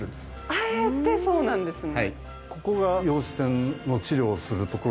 あえてそうなんですね。